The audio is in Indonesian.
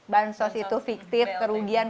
bansos itu fiktif kerugian